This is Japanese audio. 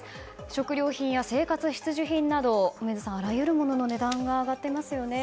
食料品や生活必需品など梅津さん、あらゆるものの値段が上がっていますよね。